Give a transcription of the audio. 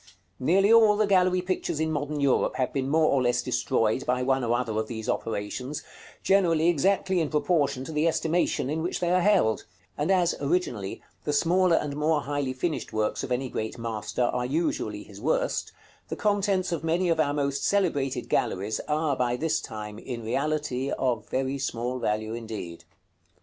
Nearly all the gallery pictures in modern Europe have been more or less destroyed by one or other of these operations, generally exactly in proportion to the estimation in which they are held; and as, originally, the smaller and more highly finished works of any great master are usually his worst, the contents of many of our most celebrated galleries are by this time, in reality, of very small value indeed.